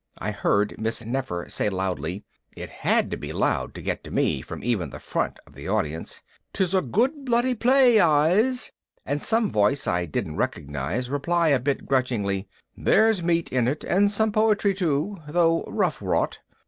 I heard Miss Nefer say loudly (it had to be loud to get to me from even the front of the audience): "'Tis a good bloody play, Eyes," and some voice I didn't recognize reply a bit grudgingly, "There's meat in it and some poetry too, though rough wrought."